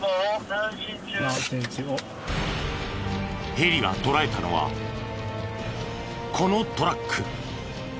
ヘリが捉えたのはこのトラック。